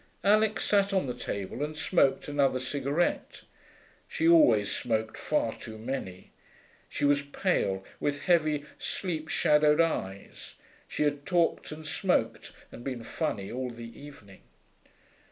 Alix sat on the table and smoked another cigarette. She always smoked far too many. She was pale, with heavy, sleep shadowed eyes. She had talked and smoked and been funny all the evening.